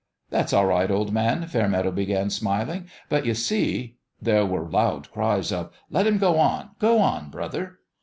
" That's all right, old man," Fairmeadow be gan, smiling ;" but you see " There were loud cries of " Let him go on 1 Go on, brother